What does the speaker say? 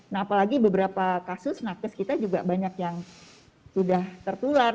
nah apalagi beberapa kasus nakes kita juga banyak yang sudah tertular